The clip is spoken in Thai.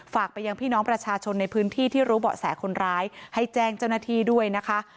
ฝากไปยังพี่น้องประชาชนในพื้นที่ที่รู้เบาะแสคนร้ายให้แจ้งเจ้าหน้าที่ด้วยนะคะ